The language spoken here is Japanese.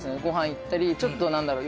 行ったりちょっと何だろう